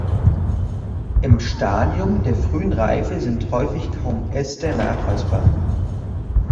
Im Stadium der frühen Reife sind häufig kaum Ester nachweisbar.